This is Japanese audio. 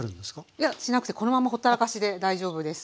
いやしなくてこのまんまほったらかしで大丈夫です。